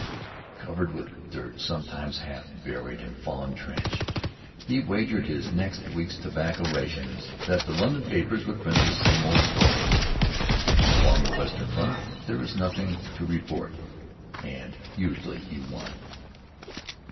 Covered with dirt, sometimes half buried in fallen trench, he wagered his next week's tobacco rations that the London papers would print the same old story: "Along the western front there is nothing to report." And usually he won.